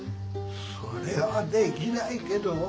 それはできないけど。